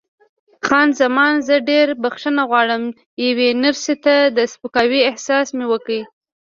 خان زمان: زه ډېره بښنه غواړم، یوې نرسې ته د سپکاوي احساس مې وکړ.